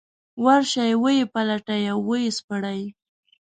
ورشي ویې پلټي او ويې سپړي.